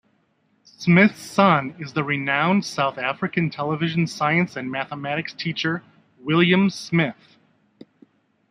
Smith's son is the renowned South African television science and mathematics teacher William Smith.